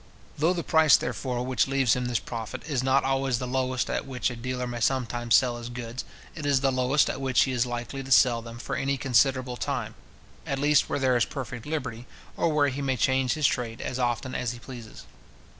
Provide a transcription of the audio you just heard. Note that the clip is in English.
Though the price, therefore, which leaves him this profit, is not always the lowest at which a dealer may sometimes sell his goods, it is the lowest at which he is likely to sell them for any considerable time; at least where there is perfect liberty, or where he may change his trade as often as he pleases.